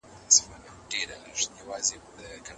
افغانانو د ښار د ساتنې لپاره نوې ستراتیژۍ وکارولې.